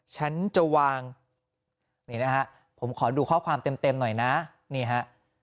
ฉันจะวางนี่นะฮะผมขอดูข้อความเต็มหน่อยนะนี่ฮะ